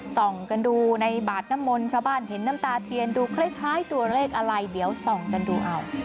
ส่องกันดูในบาดน้ำมนต์ชาวบ้านเห็นน้ำตาเทียนดูคล้ายตัวเลขอะไรเดี๋ยวส่องกันดูเอา